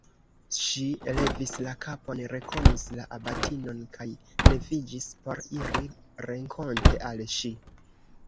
Ŝi levis la kapon, rekonis la abatinon kaj leviĝis por iri renkonte al ŝi.